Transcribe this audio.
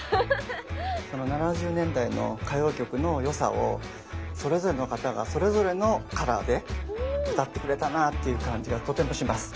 ７０年代の歌謡曲の良さをそれぞれの方がそれぞれのカラーで歌ってくれたなっていう感じがとてもします。